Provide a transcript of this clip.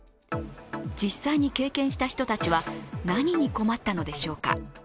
実際に経験した人たちは何に困ったのでしょうか。